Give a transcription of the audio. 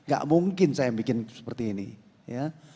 gak mungkin saya bikin seperti ini ya